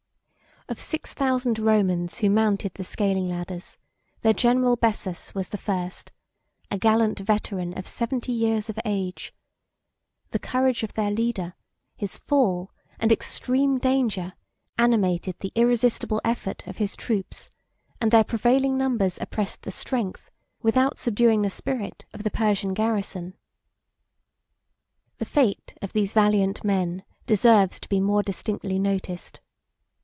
Of six thousand Romans who mounted the scaling ladders, their general Bessas was the first, a gallant veteran of seventy years of age: the courage of their leader, his fall, and extreme danger, animated the irresistible effort of his troops; and their prevailing numbers oppressed the strength, without subduing the spirit, of the Persian garrison. The fate of these valiant men deserves to be more distinctly noticed.